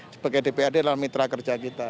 sebagai dprd adalah mitra kerja kita